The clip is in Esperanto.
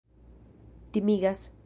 timigas